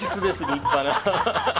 立派な。